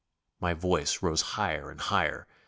My voice rose higher and higher.